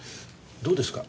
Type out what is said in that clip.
どうですか？